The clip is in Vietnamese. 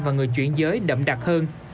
và người chuyển giới đậm đặc hơn